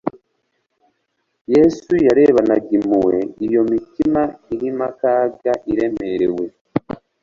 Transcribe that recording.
Yesu yarebanaga impuhwe iyo initima iri ma kaga, iremerewe